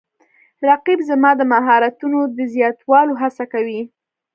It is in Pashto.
رقیب زما د مهارتونو د زیاتولو هڅه کوي